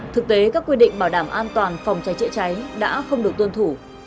thực tế các quy định bảo đảm an toàn phòng cháy chữa cháy đã không được tuân thủ